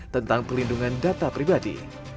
tentang pelindungan data pribadi